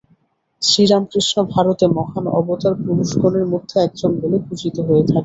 শ্রীরামকৃষ্ণ ভারতে মহান অবতারপুরুষগণের মধ্যে একজন বলে পূজিত হয়ে থাকেন।